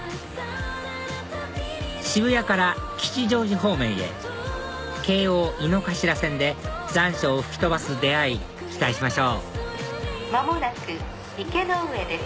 渋谷から吉祥寺方面へ京王井の頭線で残暑を吹き飛ばす出会い期待しましょう間もなく池ノ上です。